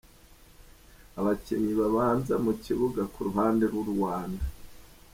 Abakinnyi babanza mu kibuga ku ruhande rw’u Rwanda: